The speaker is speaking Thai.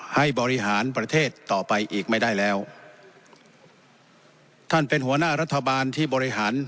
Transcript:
บริหารประเทศต่อไปอีกไม่ได้แล้วท่านเป็นหัวหน้ารัฐบาลที่บริหาร